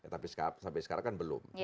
tapi sampai sekarang kan belum